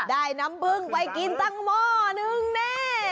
ได้น้ำพึ่งไปกินตั้งหม้อนึงแน่